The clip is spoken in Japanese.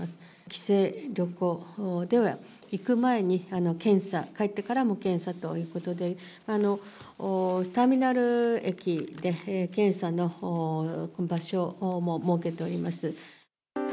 帰省・旅行では、行く前に検査、帰ってからも検査ということで、ターミナル駅で検査の場所も設けております。